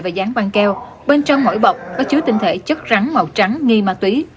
và dán băng keo bên trong mỗi bọc có chứa tinh thể chất rắn màu trắng nghi ma túy